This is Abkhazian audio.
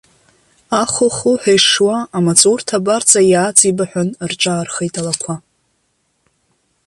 Аху-хуҳәа ишуа амаҵурҭа абарҵа иааҵибаҳәан рҿаархеит алақәа.